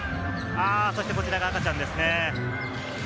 こちらが赤ちゃんですね。